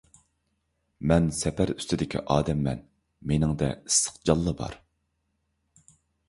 مەن سەپەر ئۈستىدىكى ئادەممەن، مېنىڭدە ئىسسىق جانلا بار.